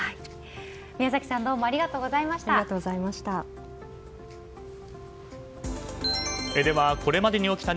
宮崎さんどうもありがとうございました。